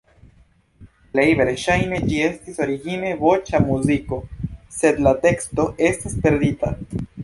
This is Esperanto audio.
Plej verŝajne ĝi estis origine voĉa muziko, sed la teksto estas perdita.